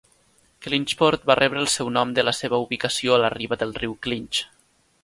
Clinchport va rebre el seu nom de la seva ubicació a la riba del riu Clinch.